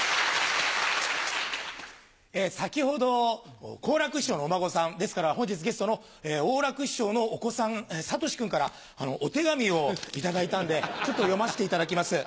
先ほど好楽師匠のお孫さんですから本日ゲストの王楽師匠のお子さん・理史君からお手紙を頂いたんでちょっと読ませていただきます。